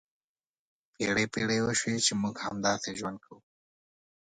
پېړۍ پېړۍ وشوې چې موږ همداسې ژوند کوو.